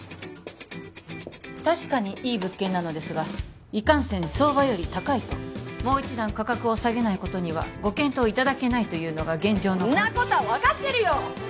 確かにいい物件なのですがいかんせん相場より高いともう一段価格を下げないことにはご検討いただけないというのが現状のそんなことは分かってるよ！